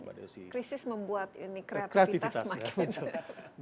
krisis membuat kreativitas makin